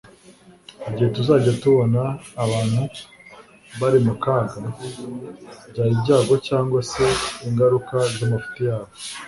Igihe tuzajya tubona abantu bari mu kaga, byaba ibyago cyangwa se ingaruka z'amafuti yabo,